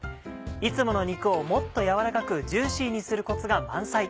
いつもの肉をもっとやわらかくジューシーにするコツが満載。